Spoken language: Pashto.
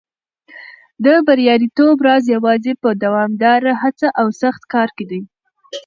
د بریالیتوب راز یوازې په دوامداره هڅه او سخت کار کې دی.